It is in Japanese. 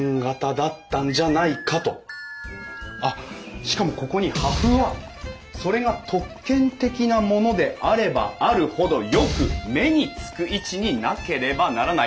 あっしかもここに「破風はそれが特権的なものであればあるほどよく目につく位置になければならない。